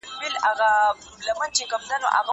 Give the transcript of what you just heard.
زه له سهاره سړو ته خواړه ورکوم؟